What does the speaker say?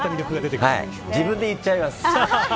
自分で言っちゃいます。